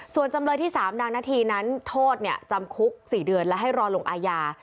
ส่วนจำเลยที่๓นางนาธีนั้นโทษจำคุก๔เดือนและให้รอลงอาญา